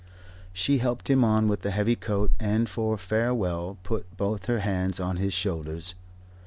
She helped him on with the heavy coat, and for farewell put both her hands on his shoulders.